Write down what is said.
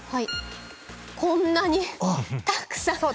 こんなにたくさん。